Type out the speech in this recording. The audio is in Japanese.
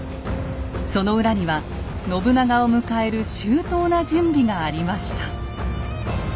その裏には信長を迎える周到な準備がありました。